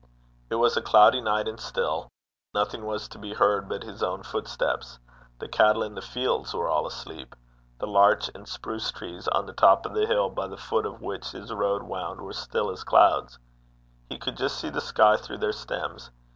It was a cloudy night and still. Nothing was to be heard but his own footsteps. The cattle in the fields were all asleep. The larch and spruce trees on the top of the hill by the foot of which his road wound were still as clouds. He could just see the sky through their stems.